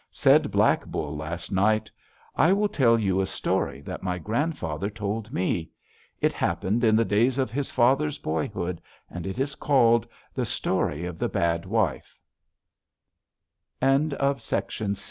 Said Black Bull last night: "I will tell you a story that my grandfather told me. It happened in the days of his fathers' boyhood, and it is called "THE STORY OF THE BAD WIFE "One summer in that